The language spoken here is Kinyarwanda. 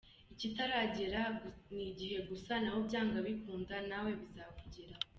Ikitaragera gusa n’igihe naho byanga bikunda nawe bizakugeraho.